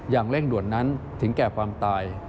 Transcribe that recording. อย่างเร่งด่วนนั้นถึงแก่ความตาย